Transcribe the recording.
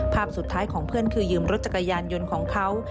ภาพสุดท้ายของเพื่อนคือยืมรถจักรยานยนต์ของเขา